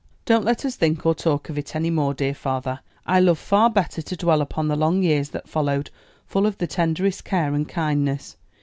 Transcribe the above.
"Don't let us think or talk of it any more, dear father; I love far better to dwell upon the long years that followed, full of the tenderest care and kindness.